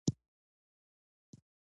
په افغانستان کې د غزني منابع شته.